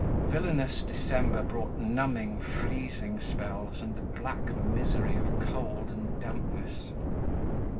Villainous December brought numbing freezing spells and the black misery of cold and dampness.